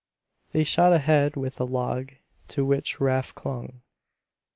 They shot ahead with the log to which Rafe clung.